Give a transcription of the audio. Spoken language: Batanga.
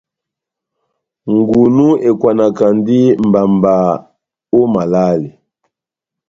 Ngunu ekwanakandi mbamba ό malale.